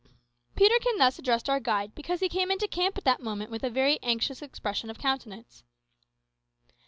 Peterkin thus addressed our guide because he came into the camp at that moment with a very anxious expression of countenance.